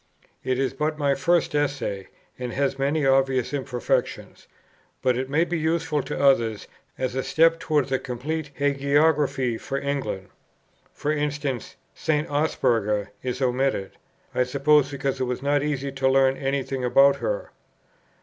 It is but a first Essay, and has many obvious imperfections; but it may be useful to others as a step towards a complete hagiography for England. For instance St. Osberga is omitted; I suppose because it was not easy to learn any thing about her.